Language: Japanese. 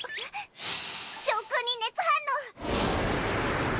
上空に熱反応！